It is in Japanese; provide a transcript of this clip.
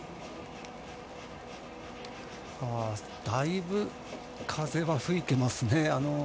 だいぶ風が吹いてますね。